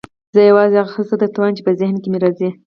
زه یوازې هغه څه درته وایم چې په ذهن کې مې راځي.